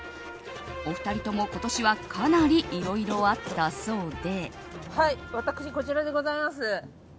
お二人とも、今年はかなりいろいろあったそうで。